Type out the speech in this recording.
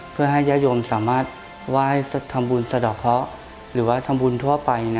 เพื่อให้ญาติโยมสามารถไหว้ทำบุญสะดอกเคาะหรือว่าทำบุญทั่วไป